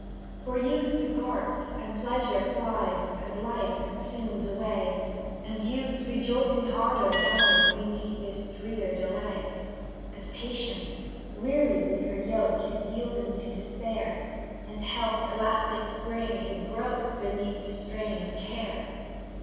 For youth departs, and pleasure flies, And life consumes away, And youth's rejoicing ardour dies Beneath this drear delay; And Patience, weary with her yoke, Is yielding to despair, And Health's elastic spring is broke Beneath the strain of care.